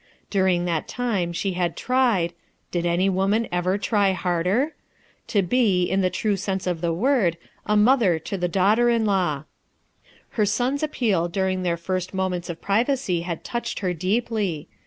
During that time she had tried — did any woman ever try harder ?— to be, in the true sense of the word, a mother to her daughter in law. Her son's appeal during their first moments of privacy bad touched her deeply.